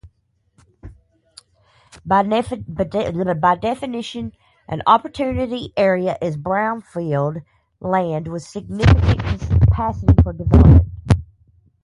By definition, an Opportunity Area is brownfield land with significant capacity for development.